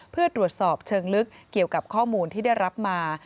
เพื่อตรวจสอบเชิงลึกเกี่ยวกับข้อมูลที่ได้รับมา